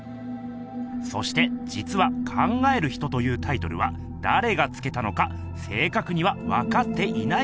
そしてじつは「考える人」というタイトルはだれがつけたのか正かくにはわかっていないともいわれています。